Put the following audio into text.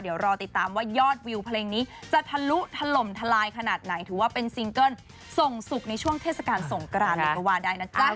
เดี๋ยวรอติดตามว่ายอดวิวเพลงนี้จะทะลุถล่มทลายขนาดไหนถือว่าเป็นซิงเกิ้ลส่งสุขในช่วงเทศกาลสงกรานเลยก็ว่าได้นะจ๊ะ